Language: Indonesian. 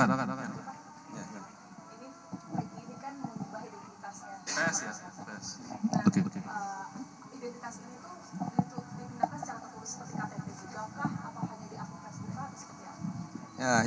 atau hanya diakui pasipan